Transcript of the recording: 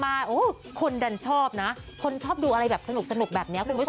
คนดันชอบนะคนชอบดูอะไรแบบสนุกแบบนี้คุณผู้ชม